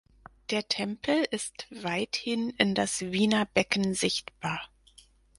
Der Tempel ist weithin in das Wiener Becken sichtbar.